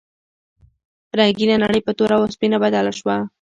رنګینه نړۍ په توره او سپینه بدله شوه.